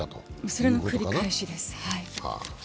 それの繰り返しです。